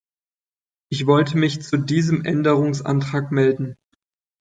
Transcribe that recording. Ich wollte mich zu diesem Änderungsantrag melden.